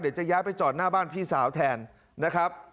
เดี๋ยวจะย้ายไปจอดหน้าบ้านพี่สาวแทนนะครับ